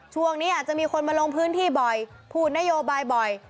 ช่วงนี้อาจจะมีคนมาลงพื้นที่บ่อยพูดนโยบายบ่อย